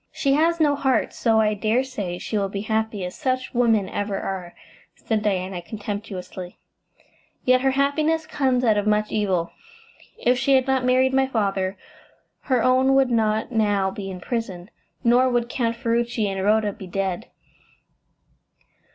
"She has no heart, so I dare say she will be happy as such women ever are," said Diana contemptuously, "yet her happiness comes out of much evil. If she had not married my father, her own would not now be in prison, nor would Count Ferruci and Rhoda be dead."